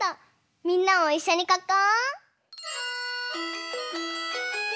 みんなもいっしょにかこう！